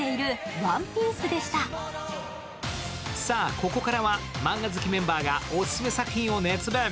ここからはマンガ好きメンバーがオススメ作品を熱弁。